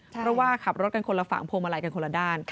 เพราะว่าขับรถกันคนละฝั่งพวงมาลัยกันคนละด้าน